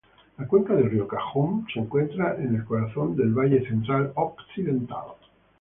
La cuenca del río Cajón se encuentra en el corazón del Valle Central Occidental.